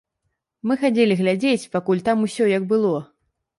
Мы хадзілі глядзець, пакуль там усё як было.